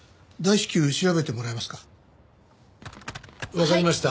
わかりました。